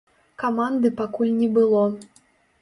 Каманды пакуль не было.